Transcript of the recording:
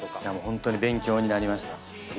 本当に勉強になりました。